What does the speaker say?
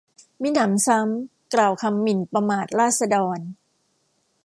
มิหนำซ้ำกล่าวคำหมิ่นประมาทราษฎร